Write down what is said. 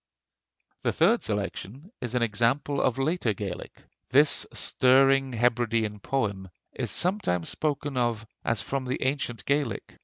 The third selection is an example of later Gaelic. This stirring Hebridean poem is sometimes spoken of as from the ancient Gaelic.